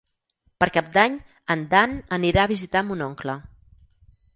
Per Cap d'Any en Dan anirà a visitar mon oncle.